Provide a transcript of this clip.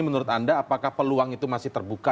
menurut anda apakah peluang itu masih terbuka